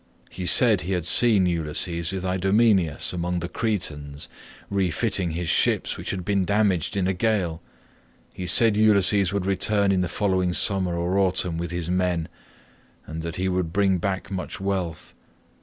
He said he had seen Ulysses with Idomeneus among the Cretans, refitting his ships which had been damaged in a gale. He said Ulysses would return in the following summer or autumn with his men, and that he would bring back much wealth.